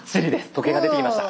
時計が出てきました。